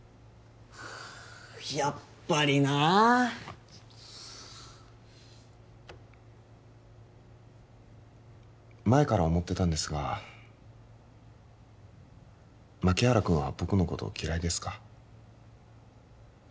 カーッやっぱりなあ前から思ってたんですが牧原君は僕のこと嫌いですか？